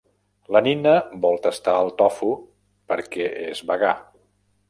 La Nina vol tastar el tofu perquè és vegà.